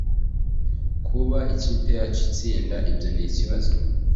“Kuba ikipe yacu idatsinda byo ni ikibazo